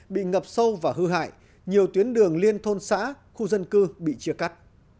bị ngập sâu và hư hại nhiều tuyến đường liên thôn xã khu dân cư bị chia cắt